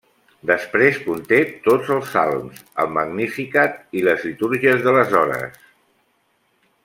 Després conté tots els salms, el Magnificat i les litúrgies de les hores.